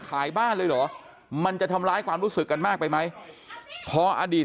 ขายบ้านเลยเหรอมันจะทำร้ายความรู้สึกกันมากไปไหมพออดีต